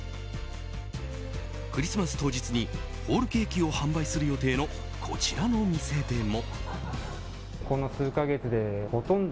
クリスマス当日にホールケーキを販売する予定のこちらの店でも。